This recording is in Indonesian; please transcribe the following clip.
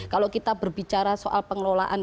kalau kita berbicara soal pengelolaan